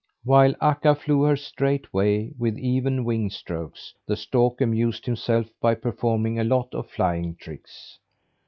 While Akka flew her straight way with even wing strokes, the stork amused himself by performing a lot of flying tricks.